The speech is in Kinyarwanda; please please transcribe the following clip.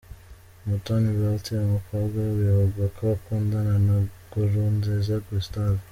Umutoni Bertile umukobwa bivugwa ko akundana na Nkurunziza Gustave .